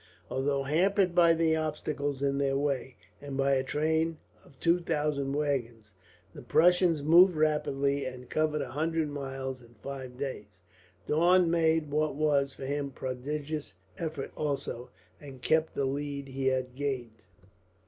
Although hampered by the obstacles in their way, and by a train of two thousand wagons, the Prussians moved rapidly and covered a hundred miles in five days. Daun made what was, for him, prodigious efforts also, and kept the lead he had gained.